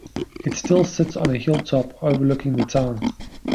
It still sits on a hilltop overlooking the town.